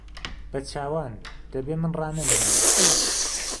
به چاوان! دهبێ من ڕانهمێنم